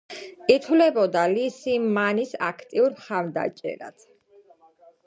ითვლებოდა ლი სინ მანის აქტიურ მხარდამჭერად.